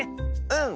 うん！